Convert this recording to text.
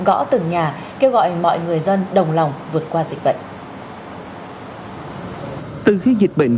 kêu gọi mọi người dân đồng lòng vượt qua dịch bệnh